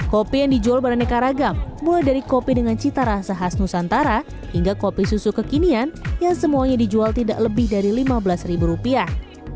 kopi yang dijual beraneka ragam mulai dari kopi dengan cita rasa khas nusantara hingga kopi susu kekinian yang semuanya dijual tidak lebih dari lima belas ribu rupiah